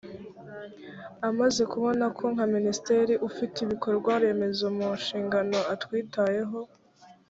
amaze kubona ko nka minisitiri ufite ibikorwa remezo mu nshingano atwitayeho